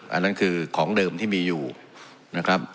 อันนั้นคือของเดิมที่มีอยู่นะครับ